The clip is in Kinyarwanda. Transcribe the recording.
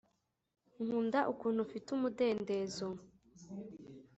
nkunda ukuntu ufite umudendezo